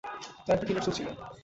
তার একটা টিনের স্যুট ছিল।